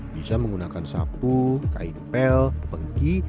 bisa menggunakan sapu kaipel pengki